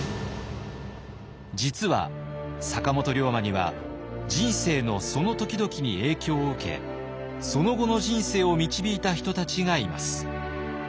実は坂本龍馬には人生のその時々に影響を受けその後の人生を導いた人たちがいます。